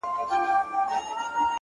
دا غمى اوس له بــازاره دى لوېـدلى ـ